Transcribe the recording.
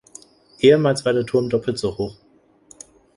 Ehemals war der Turm doppelt so hoch.